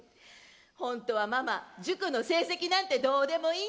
本当はママ塾の成績なんてどうでもいいんだよ。